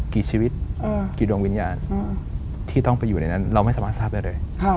กี่ชีวิตกี่ดวงวิญญาณที่ต้องไปอยู่ในนั้นเราไม่สามารถทราบได้เลย